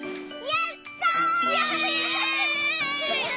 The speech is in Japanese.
やった！